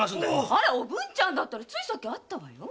アラおぶんちゃんならついさっき会ったわよ。